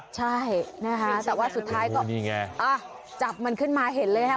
ใช่นะคะแต่ว่าสุดท้ายก็โอ้โหนี่ไงอ่ะจับมันขึ้นมาเห็นเลยฮะ